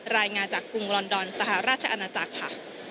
รายงานจากกรุงลอนดอนสหราชอาณาจักรค่ะ